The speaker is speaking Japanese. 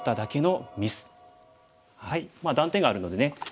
断点があるのでね